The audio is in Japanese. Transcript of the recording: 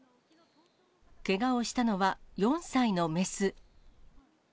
けがをしたのは、４歳の雌。